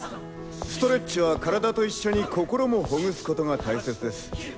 ストレッチは体と一緒に心もほぐすことが大切です。